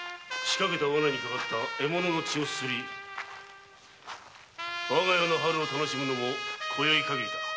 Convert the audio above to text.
仕掛けたワナにかかった獲物の血をすすりわが世の春を愉しむのも今宵限りだ。